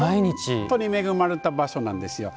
本当に恵まれた場所なんですよ。